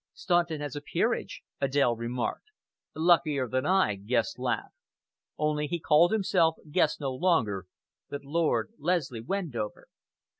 "Staunton has a peerage," Adèle remarked. "Luckier than I," Guest laughed; only he called himself Guest no longer, but Lord Leslie Wendover.